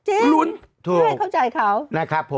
จริงไม่ให้เข้าใจเขา